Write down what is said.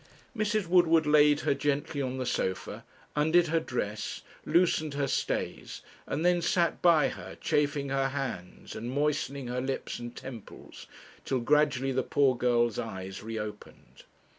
Mrs. Woodward laid her gently on the sofa, undid her dress, loosened her stays, and then sat by her chafing her hands, and moistening her lips and temples, till gradually the poor girl's eyes re opened.